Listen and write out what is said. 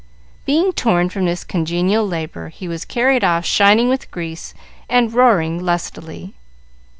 Being torn from this congenial labor, he was carried off shining with grease and roaring lustily.